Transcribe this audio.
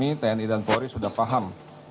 pihak kami tni dan polri sudah paham